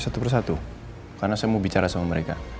satu persatu karena saya mau bicara sama mereka